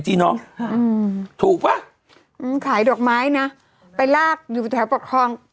ครับถูกปะอืมขายดอกไม้น่ะไปลากอยู่แถวปกครอง